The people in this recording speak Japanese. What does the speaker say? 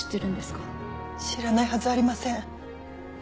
知らないはずありません。